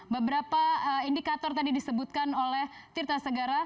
beberapa indikator tadi disebutkan oleh tirta segara